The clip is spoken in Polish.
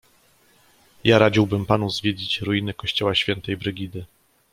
"Ja radziłbym panu zwiedzić ruiny kościoła świętej Brigidy."